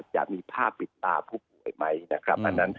จะมีภาพปิดตาผู้ป่วยไหมนะครับ